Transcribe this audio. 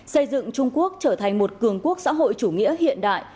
xây dựng trung quốc trở thành một cường quốc xã hội chủ nghĩa hiện đại